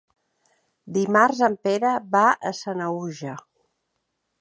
Dimarts en Pere va a Sanaüja.